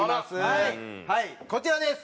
はいこちらです。